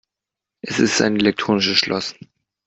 Es ist ein elektronisches Schloss.